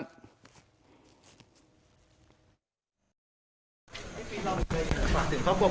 พี่ฟิสสุดท้ายแล้วก่อนที่เองมีอะไรอยากบอกครอบครัวของเสียสุชาติไหมครับ